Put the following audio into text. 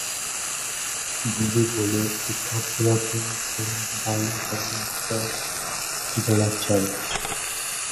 भुवी बोले- कूकाबूरा गेंद से बॉलिंग करना होगा बड़ा चैलेंज